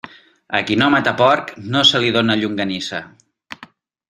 A qui no mata porc no se li dóna llonganissa.